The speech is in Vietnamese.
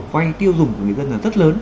vay tiêu dùng của người dân rất lớn